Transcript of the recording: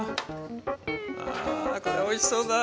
あこれおいしそうだ。